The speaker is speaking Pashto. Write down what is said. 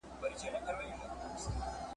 نور لا څه غواړې له ستوني د منصوره `